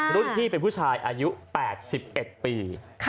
รุ่นพี่เป็นผู้ชายอายุ๘๑ปี